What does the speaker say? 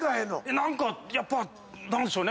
何かやっぱ何でしょうね。